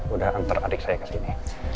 udah antar adik saya ke sini